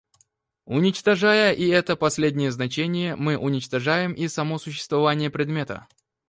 Уничтожая и это последнее значение, мы уничтожаем и само существование предмета.